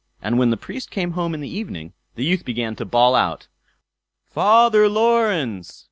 And when the Priest came home in the evening, the youth began to bawl out: "Father Laurence!